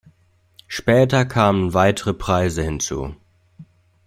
Später kamen weitere Preise hinzu.